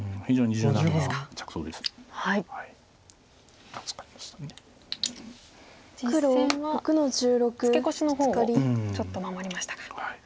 実戦はツケコシの方をちょっと守りましたか。